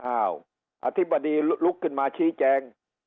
อธิบดีลุกขึ้นมาชี้แจง